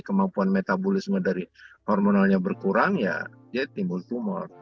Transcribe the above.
kemampuan metabolisme dari hormonalnya berkurang ya jadi timbul tumor